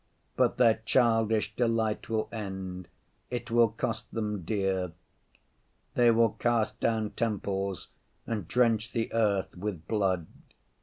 But their childish delight will end; it will cost them dear. They will cast down temples and drench the earth with blood.